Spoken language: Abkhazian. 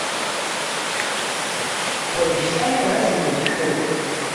Уажәшьҭа шәара зегь аӡә шәоуп.